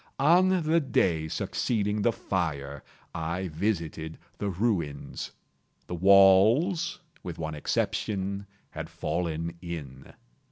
On the day succeeding the fire, I visited the ruins. The walls, with one exception, had fallen in.